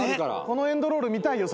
このエンドロール見たいよ